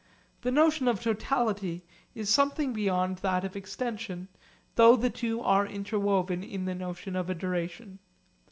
The notion of totality is something beyond that of extension, though the two are interwoven in the notion of a duration.